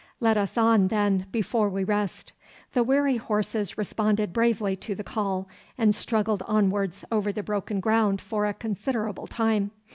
Let us on, then, before we rest.' The weary horses responded bravely to the call, and struggled onwards over the broken ground for a considerable time.